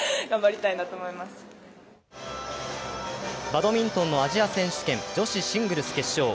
バドミントンのアジア選手権女子シングルス決勝。